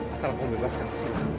asal membebaskan kesalahan